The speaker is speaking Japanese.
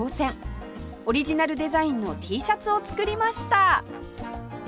オリジナルデザインの Ｔ シャツを作りました